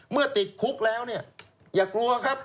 ติดคุกแล้วเนี่ยอย่ากลัวครับ